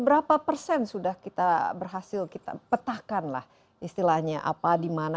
berapa persen sudah kita berhasil kita petahkan lah istilahnya apa di mana